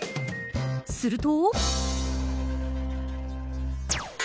すると。